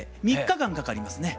３日間かかりますね。